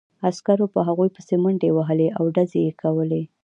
عسکرو په هغوی پسې منډې وهلې او ډزې یې کولې